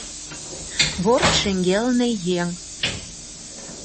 Борт шеҥгелне еҥ!